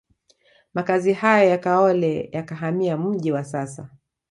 Makazi hayo ya Kaole yakahamia mji wa sasa